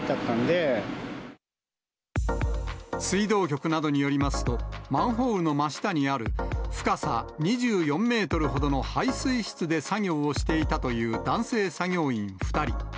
水道局などによりますと、マンホールの真下にある深さ２４メートルほどの排水室で作業をしていたという男性作業員２人。